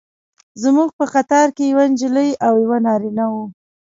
زموږ په قطار کې یوه نجلۍ او یو نارینه و.